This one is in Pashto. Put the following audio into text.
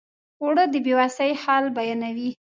اوړه د بې وسۍ حال بیانوي